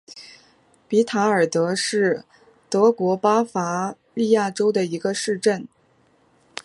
比塔尔德是德国巴伐利亚州的一个市镇。